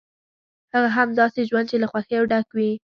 هغه هم داسې ژوند چې له خوښیو ډک وي.